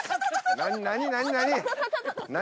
何何？